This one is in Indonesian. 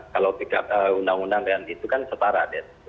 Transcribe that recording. kalau dikatakan undang undang itu kan setara